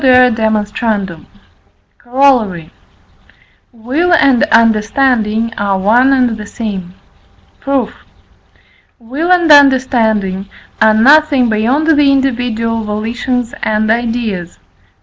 E.D. Corollary. Will and understanding are one and the same. Proof. Will and understanding are nothing beyond the individual volitions and ideas (II.